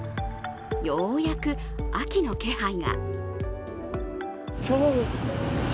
ようやく秋の気配が。